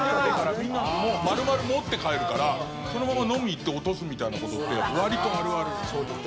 みんなもう丸々持って帰るからそのまま飲みに行って落とすみたいな事って割とあるある。